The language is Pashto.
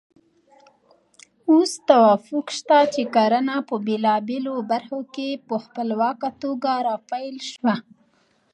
اوس توافق شته چې کرنه په بېلابېلو برخو کې په خپلواکه توګه راپیل شوه.